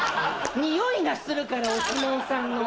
匂いがするからお相撲さんの。